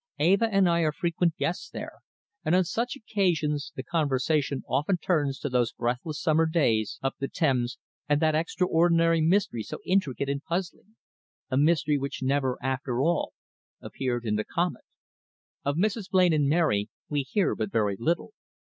Eva and I are frequent guests there, and on such occasions the conversation often turns to those breathless summer days up the Thames and that extraordinary mystery so intricate and puzzling a mystery which never, after all, appeared in the Comet. Of Mrs. Blain and Mary we hear but very little.